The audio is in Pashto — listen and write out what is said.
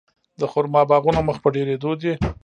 د خرما باغونه مخ په ډیریدو دي.